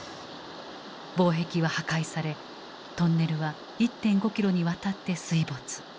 防壁は破壊されトンネルは１．５キロにわたって水没。